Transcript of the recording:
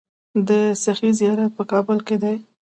د سخي زیارت په کابل کې دی